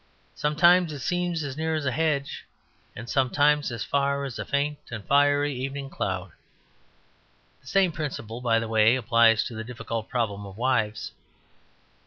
Sometimes it seems as near as a hedge, and sometimes as far as a faint and fiery evening cloud. The same principle (by the way) applies to the difficult problem of wives.